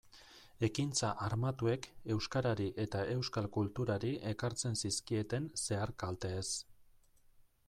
Ekintza armatuek euskarari eta euskal kulturari ekartzen zizkieten zehar-kalteez.